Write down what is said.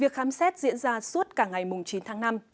việc khám xét diễn ra suốt cả ngày chín tháng năm